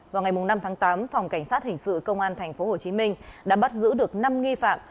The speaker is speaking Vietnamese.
vào ngày năm tháng tám phòng cảnh sát hình sự công an tp hcm đã bắt giữ được năm nghi phạm